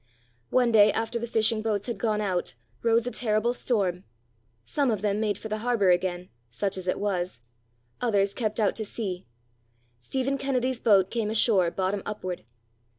One day after the fishing boats had gone out, rose a terrible storm. Some of them made for the harbour again such as it was; others kept out to sea; Stephen Kennedy's boat came ashore bottom upward.